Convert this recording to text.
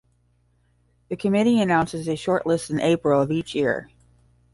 The committee announces a short list in April of each year.